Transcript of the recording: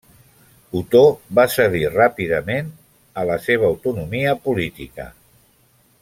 Otó va cedir ràpidament a la seva autonomia política.